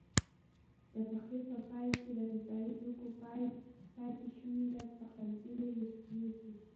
د پخلي په پای کې د غذايي توکو پاتې شونې له پخلنځي لیرې یوسئ.